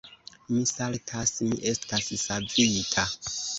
Mi saltas: mi estas savita.